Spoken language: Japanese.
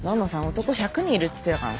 男１００人いるって言ってたから。